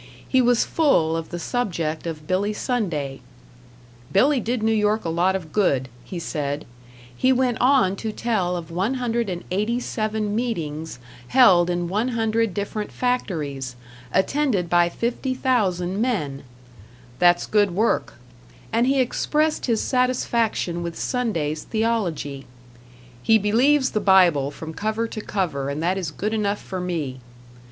He was full of the subject of Billy Sunday. "Billy did New York a lot of good," he said. He went on to tell of 187 meetings held in 100 different factories, attended by 50,000 men. "That's good work." And he expressed his satisfaction with Sunday's theology: "He believes the Bible from cover to cover and that is good enough for me."